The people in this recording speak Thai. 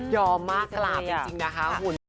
ยอมมากกล่าวจริงนะคะคุณ